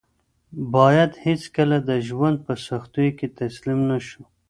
باید هېڅکله د ژوند په سختیو کې تسلیم نه شو.